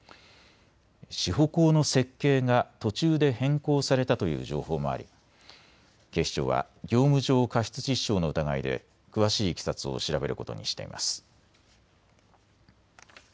支保工の設計が途中で変更されたという情報もあり警視庁は業務上過失致死傷の疑いで詳しいいきさつを調べることにしています。